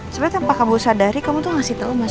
sebenarnya tanpa kamu sadari kamu tuh ngasih tahu mas